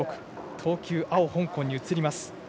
投球、青の香港に移ります。